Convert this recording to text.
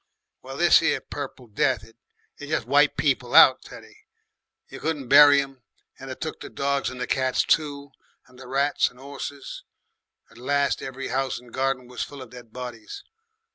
"Well, this 'ere Purple Death, it jes' wiped people out, Teddy. You couldn't bury 'em. And it took the dogs and the cats too, and the rats and 'orses. At last every house and garden was full of dead bodies.